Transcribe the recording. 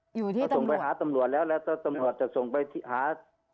อยู่ที่ส่งไปหาตำรวจแล้วแล้วตำรวจจะส่งไปหา